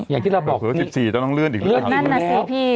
อย่างที่เราบอกว่าสิบสี่ก็ต้องเลื่อนอีกแล้วนั่นน่ะสิพี่